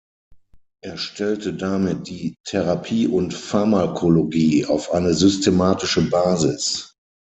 Er stellte damit die Therapie und Pharmakologie auf eine systematische Basis.